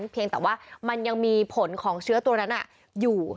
เพียงแต่ว่ามันยังมีผลของเชื้อตัวนั้นอยู่